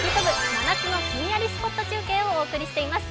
真夏のひんやりスポット中継」をお送りしています。